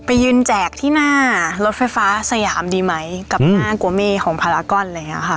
ไปยืนแจกที่หน้ารถไฟฟ้าสยามดีไหมกับหน้ากัวเมฆของพารากอนเลยค่ะ